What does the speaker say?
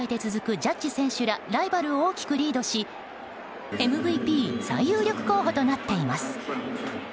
ジャッジ選手らライバルを大きくリードしＭＶＰ最有力候補となっています。